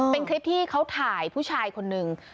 เป็นคลิปที่เขาถ่ายผู้ชายคนหนึ่ง